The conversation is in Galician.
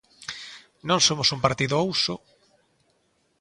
Non somos un partido ao uso.